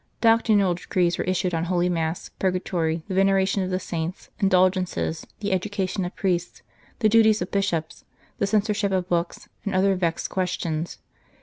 Doctrinal decrees were issued on Holy Mass, purgatory, the veneration of the saints, indulgences, the education of priests, the duties of Bishops, the censorship of books, and other vexed questions.